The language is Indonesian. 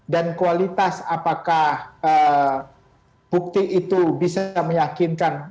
dan kualitas apakah bukti itu bisa meyakinkan